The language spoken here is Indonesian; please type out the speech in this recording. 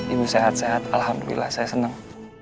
ibu sehat sehat alhamdulillah saya senang